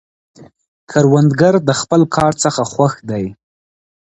کروندګر د خپل کار څخه خوښ دی